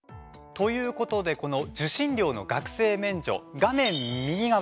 ということでこの受信料の学生免除画面右側